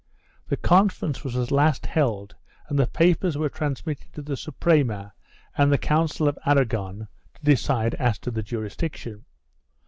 The conference was at last held and the papers were transmitted to the Suprema and Council of Aragon to decide as to the jurisdiction.